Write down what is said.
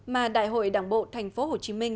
mà đại hội đảng bộ thành phố hồ chí minh